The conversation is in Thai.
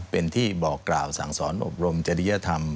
เป็นที่บอกกล่าวสั่งสอนอบรมจริยธรรม